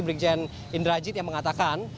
brigjen indrajit yang mengatakan